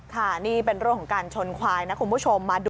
ค่ะนี่เป็นรถของการชนควายนะคุณผู้ชมมาดู